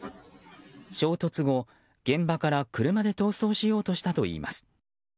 衝突後、現場から車で逃走しようとしたといいます。